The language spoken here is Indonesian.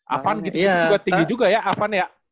avan gitu juga tinggi juga ya avan ya